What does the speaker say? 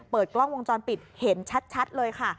เปิดกล้องวงจรปิดเห็นชัดเลยค่ะ